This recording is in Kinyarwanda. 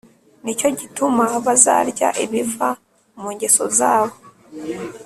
Ni cyo gituma bazarya ibiva mu ngeso zab